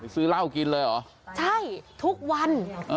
ซื้อเหล้ากินเลยเหรอใช่ทุกวัน